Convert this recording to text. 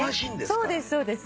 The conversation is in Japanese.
そうですそうです。